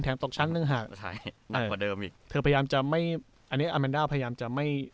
แทงตกชั้นตั้งหากเธอพยายามจะไม่อันเนี้ยอาแมนด้าพยายามจะไม่